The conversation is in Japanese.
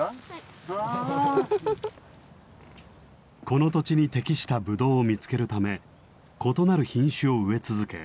この土地に適したぶどうを見つけるため異なる品種を植え続け